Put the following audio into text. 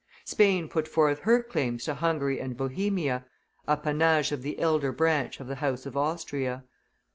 Spain put forth her claims to Hungary and Bohemia, appanage of the elder branch of the house of Austria.